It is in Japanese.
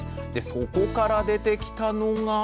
そこから出てきたのが？